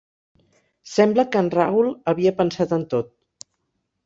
Sembla que en Rahul havia pensat en tot.